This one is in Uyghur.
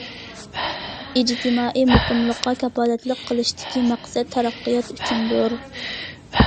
ئىجتىمائىي مۇقىملىققا كاپالەتلىك قىلىشتىكى مەقسەت تەرەققىيات ئۈچۈندۇر.